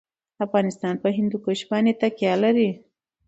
افغانستان په هندوکش باندې تکیه لري.